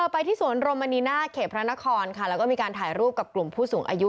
ไปที่สวนโรมณีน่าเขตพระนครค่ะแล้วก็มีการถ่ายรูปกับกลุ่มผู้สูงอายุ